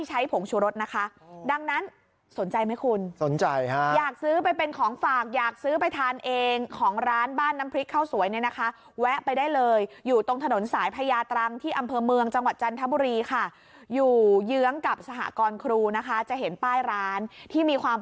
มันส่งให้ทั่วประเทศคุณสุบสกุลเอาซะหน่อยเห็นไหม